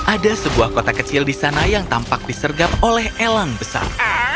ada sebuah kota kecil di sana yang tampak disergap oleh elang besar